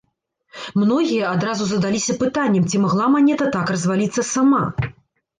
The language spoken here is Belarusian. Многія адразу задаліся пытаннем, ці магла манета так разваліцца сама.